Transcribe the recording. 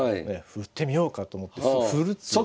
振ってみようかと思ってすぐ振るっていうね。